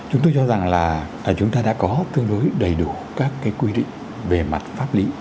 chúng tôi cho rằng là chúng ta đã có tương đối đầy đủ các quy định về mặt pháp lý